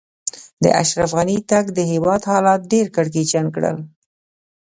د اشرف غني تګ؛ د هېواد حالات ډېر کړکېچن کړل.